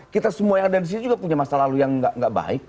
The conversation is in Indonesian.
kita semua yang ada disini juga punya masa lalu yang gak baik kok